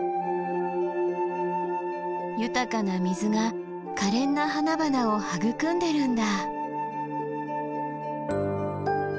豊かな水がかれんな花々を育んでるんだ。